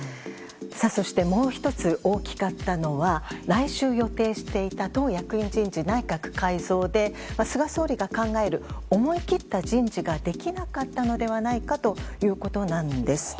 そしてもう一つ、大きかったのは、来週予定していた党役員人事、内閣改造で、菅総理が考える思い切った人事ができなかったのではないかということなんです。